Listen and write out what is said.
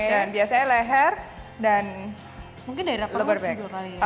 dan biasanya leher dan leber back